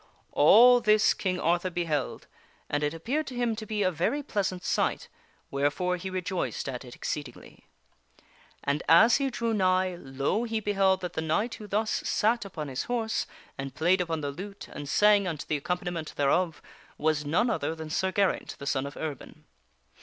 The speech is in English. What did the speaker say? All this King Arthur beheld, and it appeared to him to be a very pleas ant sight, wherefore he rejoiced at it exceedingly. And as he drew nigh, lo ! he beheld that the knight who thus sat upon his horse and played upon the lute and sang unto the accompaniment thereof, was none other than Sir Geraint, the son of Erbin.